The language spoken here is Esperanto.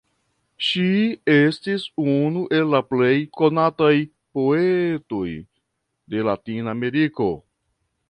Ŝi estis unu el la plej konataj poetoj de Latinameriko.